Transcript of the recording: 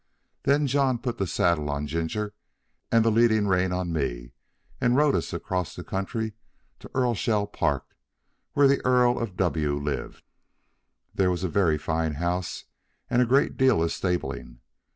Then John put the saddle on Ginger and the leading rein on me, and rode us across the country to Earlshall Park, where the Earl of W lived. There was a very fine house and a great deal of stabling.